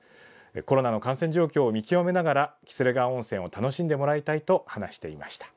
コロナの感染状況を見極めながら喜連川温泉を楽しんでもらいたいと話していました。